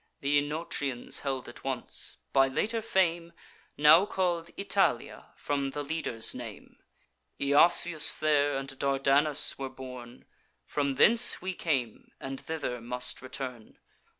Th' Oenotrians held it once, by later fame Now call'd Italia, from the leader's name. Jasius there and Dardanus were born; From thence we came, and thither must return.